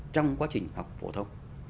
trong quá trình học phổ thông